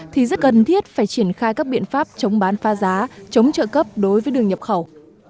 thì rất cần thiết phải triển khai các biện pháp chống bán pha giá chống trợ cấp đối với đường nhập khẩu